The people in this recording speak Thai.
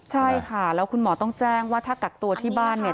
ใช่ค่ะแล้วคุณหมอต้องแจ้งว่าถ้ากักตัวที่บ้านเนี่ย